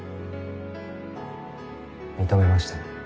認めましたね？